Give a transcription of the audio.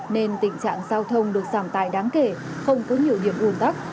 nên tình trạng giao thông được giảm tài đáng kể không có nhiều điểm ủn tắc